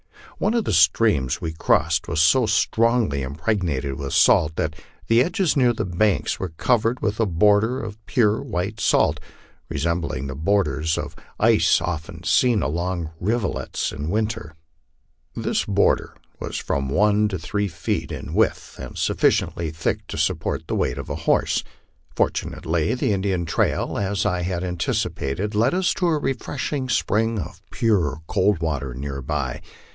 One of the streams we crossed was so strongly impregnated with salt that the edges near the banks were covered with a border of pure white salt, re sembling the borders of ice often seen along rivulets in winter. This border was from one to three feet in width, and sufficiently thick to support the weight of a horse. Fortunately the Indian trail, as I had anticipated, led us to a refreshing spring of pure, cold water near by.